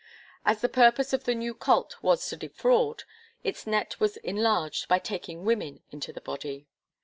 As the purpose of the new cult was to defraud, its net was enlarged by taking women into the body.